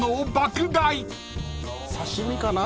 刺し身かな。